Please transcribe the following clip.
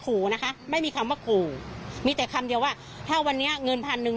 ขู่นะคะไม่มีคำว่าขู่มีแต่คำเดียวว่าถ้าวันนี้เงินพันหนึ่ง